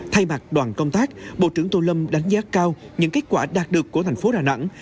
thay mặt đoàn công tác bộ trưởng tô lâm đánh giá cao những kết quả đạt được của thành phố đà nẵng